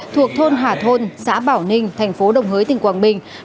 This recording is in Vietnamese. thuộc thôn hà thôn xã bảo ninh thành phố đồng hới tỉnh quảng bình